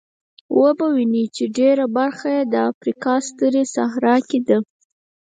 وبه وینئ چې ډېره برخه یې د افریقا سترې صحرا کې ده.